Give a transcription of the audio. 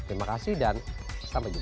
terima kasih dan sampai jumpa